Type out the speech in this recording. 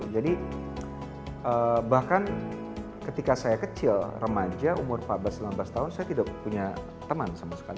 bahkan ketika saya kecil remaja umur empat belas sembilan belas tahun saya tidak punya teman sama sekali